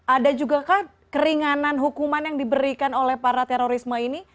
ada jugakah keringanan hukuman yang diberikan oleh para terorisme ini